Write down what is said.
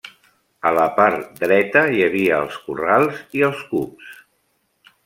A la part dreta hi havia els corrals i els cups.